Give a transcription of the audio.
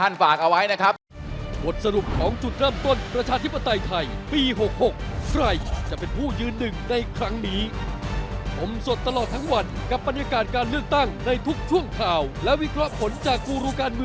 นี่คือสิ่งที่ทั้ง๕ท่านฝากเอาไว้นะครับ